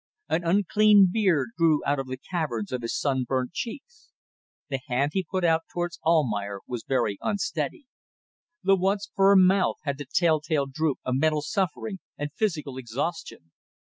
An unclean beard grew out of the caverns of his sunburnt cheeks. The hand he put out towards Almayer was very unsteady. The once firm mouth had the tell tale droop of mental suffering and physical exhaustion.